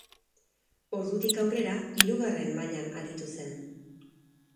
Ordutik aurrera hirugarren mailan aritu zen.